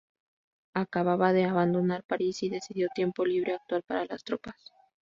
Acababa de abandonar París, y dedicó tiempo libre a actuar para las tropas.